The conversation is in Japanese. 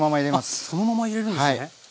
あっそのまま入れるんですね。